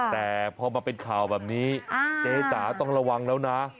แต่พอมาเป็นข่าวแบบนี้เจ๊จ๋าต้องระวังแล้วนะ